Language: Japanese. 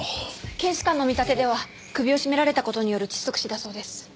検視官の見立てでは首を絞められた事による窒息死だそうです。